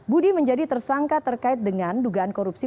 budi menjadi tersangka terkait dengan dugaan korupsi